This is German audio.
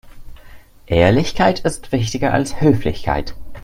Ehrlichkeit ist wichtiger als Höflichkeit.